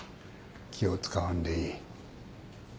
気を使わんでいい。